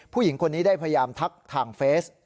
ผู้หญิงคนนี้ได้พยายามทักทางเฟส